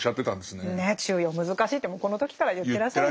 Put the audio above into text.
ねえ中庸難しいってもうこの時から言ってらっしゃるんですね。